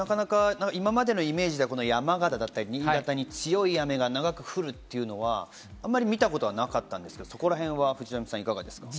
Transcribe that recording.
今までのイメージでは山形だったり、新潟に強い雨が長く降るというのは、あまり見たことはなかったんですが、そこらへんはどうですか？